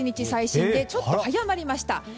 最新でちょっと早まりました。